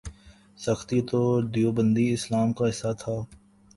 سختی تو دیوبندی اسلام کا حصہ تھا۔